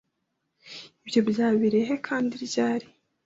Ibyo byabereye he kandi ryari?